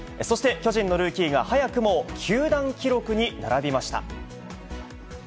そして巨人のルーキーが早くも球団記録に並びました。